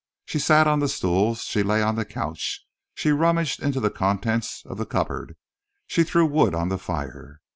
She sat on the stools. She lay on the couch. She rummaged into the contents of the cupboard. She threw wood on the fire.